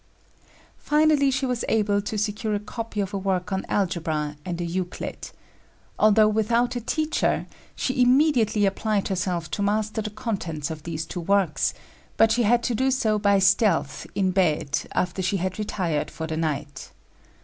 Finally she was able to secure a copy of a work on algebra and a Euclid. Although without a teacher she immediately applied herself to master the contents of these two works, but she had to do so by stealth in bed after she had retired for the night.